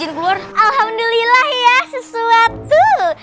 iya alhamdulilah otroasia styurs